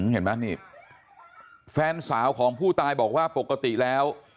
เห็นไหมนี่แฟนสาวของผู้ตายบอกว่าปกติแล้ว